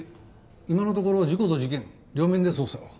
今のところ事故と事件両面で捜査を。